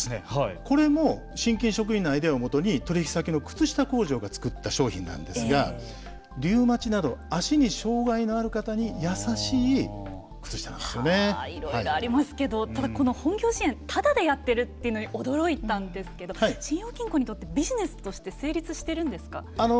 これも信金職員のアイデアをもとに取引先の靴下工場が作った商品なんですがリウマチなど足に障害のある方にいろいろありますけどただ、本業支援ただでやっているというのに驚いたんですけど信用金庫にとってビジネスとして成立しているんですか。